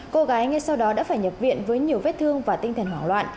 cô gái ngay sau đó đã phải nhập viện với nhiều vết thương và tinh thần hoảng loạn